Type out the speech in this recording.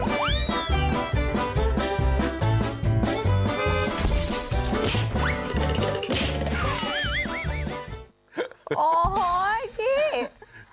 โอ้โฮเข้ย